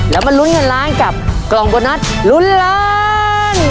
แล้วมาลุ้นเงินล้านกับกล่องโบนัสลุ้นล้าน